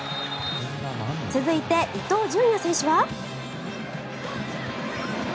続いて、伊東純也選手は。